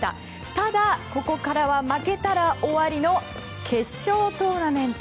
ただここからは負けたら終わりの決勝トーナメント。